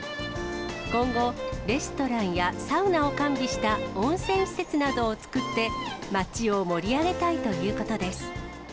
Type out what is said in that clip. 今後、レストランやサウナを完備した温泉施設などをつくって、町を盛り上げたいということです。